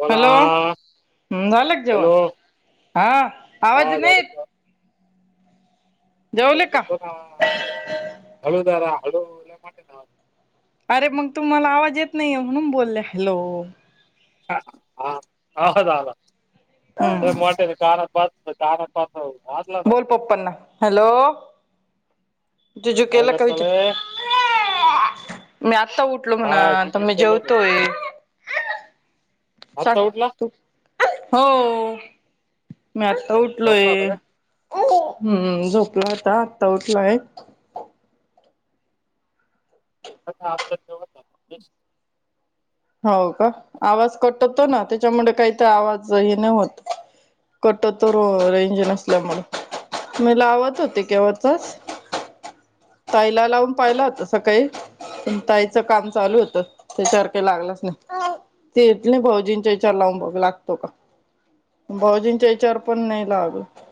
बोला हॅलो झालं जेवण हॅलो हा आवाज हा नाही झालं येत जेवले का? हा हळू हळू हळू लय मोठे धाव अरे मग तुम्हाला आवाज येत नाहीये म्हणून बोले हॅलो. ह हा आवाज आला. [unintelligible] मोठ्यानं कानात [unintelligible] वाजल न बोल पप्पांना हॅलो ज्यू ज्यू काय केल का करतो विचार. लय मी आत्ता उठलो हा म्हणा जीव आता मी केलं बघ जेवतोय. आत्ता सांग उठला तू हो मी आता उठलोय. झोपला होता हम्म झोपलो आता आत्ता उठलोये. [unintelligible] हाव का आवाज कटतो ना त्याच्यामुळे काही ते आवाज हे नाही होत. कटतो रो रेंज नसल्यामुळे मी लावत होते केव्हाचाच. ताईला लावून पाहिला होता सकाळी. पण ताईच कामं चालू होतं त्याच्यावर काय लागलाच नाही. ते दिलीप भाऊजींच्या हेच्यावर लावून बघ लागतो का. भाऊजींच्या हेच्यावर पण नाही लागत.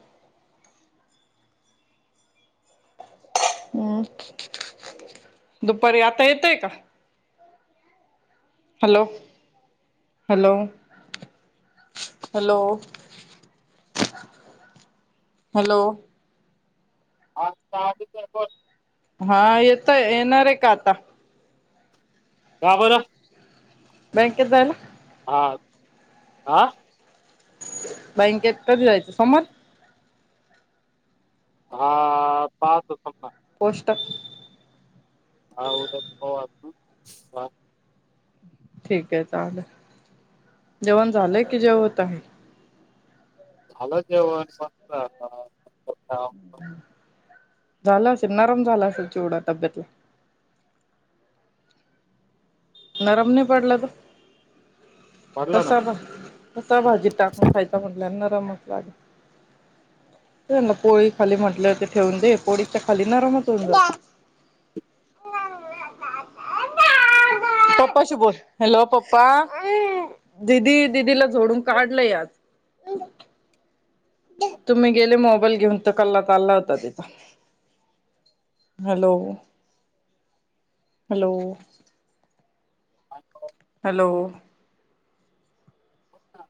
हम् दुपारी आता येतंय का. Hello hello! Hello hello! आ [unintelligible] हा येतोय येणार आहे का आता. का बर? बँकेत जायला. हां आ बँंकेत कधी जायचं सोमवारी हा पाहतो थांबा. पोष्टक. हा हो तर हो आप. ठीक काय चालेल जेवण झालंय कि जेवतो आम्ही. झालं जेवण सातला बसलंय आता. झालं असेल नरम झाला असेल चिवडा डब्ब्यातला. नरम नाही पडला तो. पडला तसा मग तसा भाजीत टाकून खायचा म्हटल्या नरमच लागेल. ना पोळी खाली म्हटलं ते ठेवून दे पोळीच्या खाली नरमच होऊन जातो. पप्पाशी बोल हॅलो पप्पा दिदी दिदीला झोडून ना काढलंय आज. तुम्ही गेले मो. बाईल घेऊनच कल्ला चालंला होतां तिंचा हॅलो हॅलो [unintelligible] [unintelligible] हॅलो हो कां